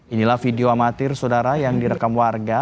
inilah video amatir saudara yang direkam warga